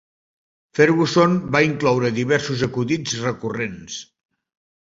Ferguson va incloure diversos acudits recurrents.